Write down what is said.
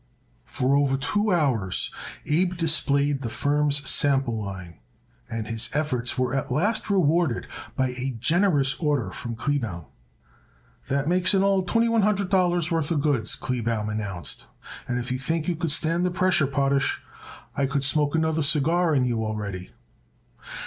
For over two hours Abe displayed the firm's sample line and his efforts were at last rewarded by a generous order from Kleebaum. "That makes in all twenty one hundred dollars' worth of goods," Kleebaum announced, "and if you think you could stand the pressure, Potash, I could smoke another cigar on you already."